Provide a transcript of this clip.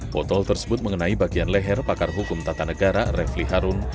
botol tersebut mengenai bagian leher pakar hukum tata negara refli harun